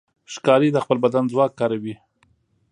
ښکاري د خپل بدن ځواک کاروي.